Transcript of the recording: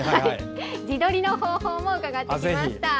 自撮りの方法も伺ってきました。